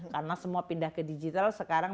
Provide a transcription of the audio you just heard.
karena semua pindah ke digital sekarang